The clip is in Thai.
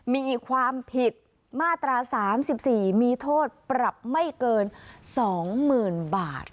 มีความผิดมาตรา๓๔มีโทษปรับไม่เกิน๒๐๐๐๐บาท